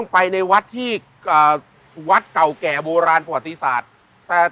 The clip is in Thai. ไปในวัดที่วัดเก่าแก่โบราณประวัติศาสตร์